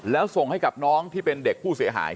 แล้วส่งให้กับน้องที่เป็นเด็กผู้เสียหาย